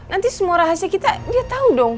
nanti semua rahasia kita dia tahu dong